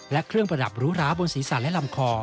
และเครื่องประดับรูร้าบนศีรษะและลำคอ